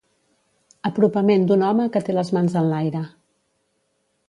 Apropament d'un home que té les mans enlaire.